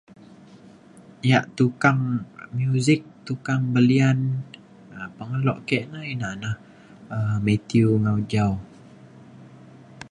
ia' tukang muzik tukang belian um pengelo ke' na ina na um Mathew Ngau Jau